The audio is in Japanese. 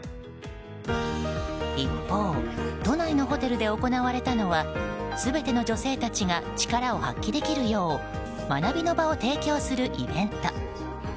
一方都内のホテルで行われたのは全ての女性たちが力を発揮できるよう学びの場を提供するイベント。